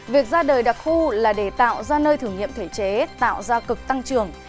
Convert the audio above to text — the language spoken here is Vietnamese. việc ra đời đặc khu là để tạo ra nơi thử nghiệm thể chế tạo ra cực tăng trưởng